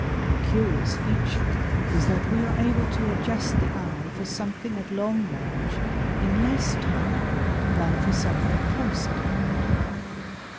A curious feature is that we are able to adjust the eye for something at long range in less time than for something close at hand.